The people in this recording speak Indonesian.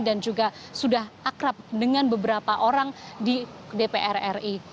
dan juga sudah akrab dengan beberapa orang di dpr ri